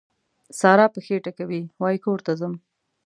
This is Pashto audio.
سارا پښې ټکوي؛ وای کور ته ځم.